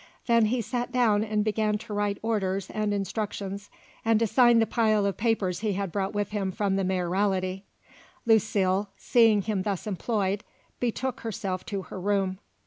Then he sat down and began to write orders and instructions and to sign the pile of papers he had brought with him from the Mayoralty. Lucile, seeing him thus employed, betook herself to her room.